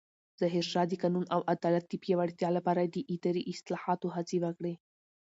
ظاهرشاه د قانون او عدالت د پیاوړتیا لپاره د اداري اصلاحاتو هڅې وکړې.